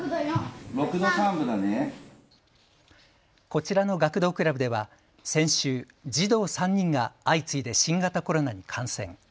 こちらの学童クラブでは先週、児童３人が相次いで新型コロナに感染。